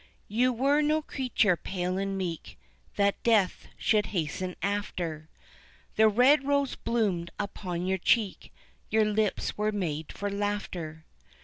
You were no creature pale and meek That death should hasten after, The red rose bloomed upon your cheek, Your lips were made for laughter.